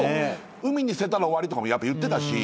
海に捨てたら終わりとかもやっぱ言ってたし。